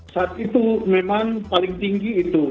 saat itu memang paling tinggi itu